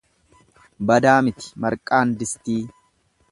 Badaa miti marqaan distii.